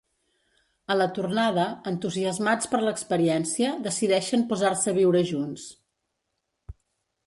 A la tornada, entusiasmats per l'experiència, decideixen posar-se a viure junts.